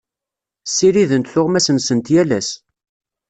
Ssirident tuɣmas-nsent yal ass.